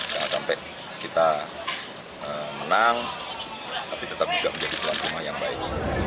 jangan sampai kita menang tapi tetap juga menjadi tuan rumah yang baik